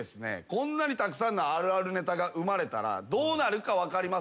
こんなにたくさんのあるあるネタが生まれたらどうなるか分かりますよね？